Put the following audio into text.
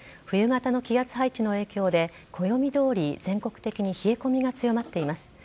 冬型の気圧配置の影響で暦どおり全国的に冷え込みが強まっています。